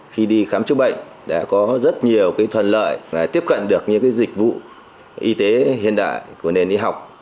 khi đi khám chữa bệnh đã có rất nhiều thuận lợi là tiếp cận được những dịch vụ y tế hiện đại của nền y học